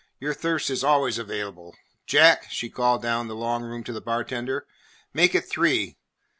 Your thirst is always available. Jack," she called down the long room to the bartender, "make it three.